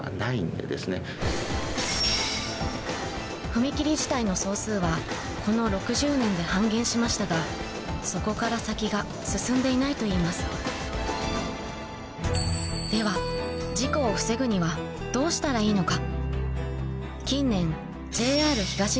踏切自体の総数はこの６０年で半減しましたがそこから先が進んでいないといいますではどうしたらいいのか？